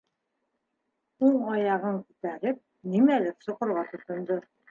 Уң аяғын күтәреп, нимәлер соҡорға тотондо.